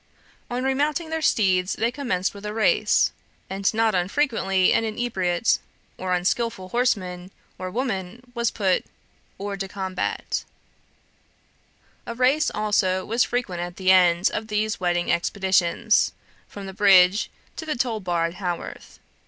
On remounting their steeds they commenced with a race, and not unfrequently an inebriate or unskilful horseman or woman was put hors de combat. A race also was frequent at the end. of these wedding expeditions, from the bridge to the toll bar at Haworth.